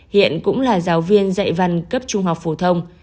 hiện cũng là giáo viên dạy văn cấp trung học phổ thông